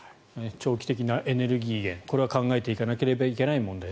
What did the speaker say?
長期的なエネルギーへこれは考えていかなければいけない問題。